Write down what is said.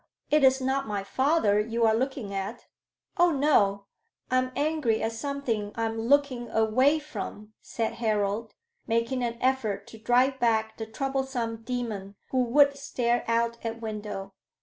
It is not my father you are looking at?" "Oh, no! I am angry at something I'm looking away from," said Harold, making an effort to drive back the troublesome demon who would stare out at window.